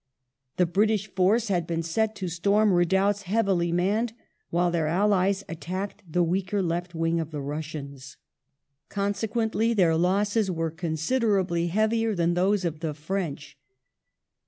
The British force had been set to storm redoubts heavily manned, while their allies attacked the weaker left wing of the Russians. Con sequently their losses were considerably heavier than those of the French.